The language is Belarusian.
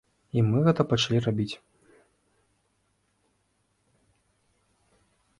І мы гэта пачалі рабіць.